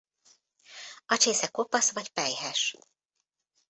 A csésze kopasz vagy pelyhes.